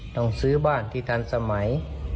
ต้องซื้อบ้านที่ทันสมัย